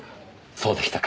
そうでしたか。